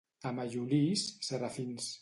A Mallolís, serafins.